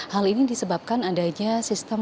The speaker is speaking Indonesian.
hal ini disebabkan adanya sistem